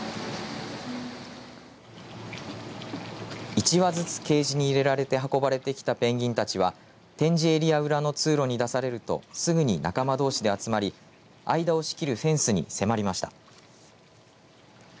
１羽ずつケージに入れられて運ばれてきたペンギンたちは展示エリア裏の通路に出されるとすぐに仲間どうしで集まり間を仕切るフェンスに迫りました。